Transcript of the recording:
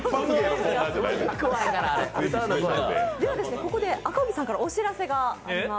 ここで赤荻さんからお知らせがあります。